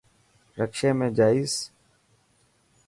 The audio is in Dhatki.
رڪشي ۾ جائس.